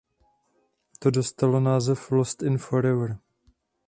To dostalo název "Lost in Forever".